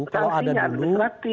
kalau ada dulu